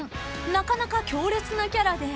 ［なかなか強烈なキャラで］